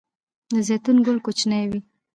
د زیتون ګل کوچنی وي؟